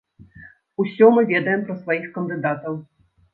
Усё мы ведаем пра сваіх кандыдатаў.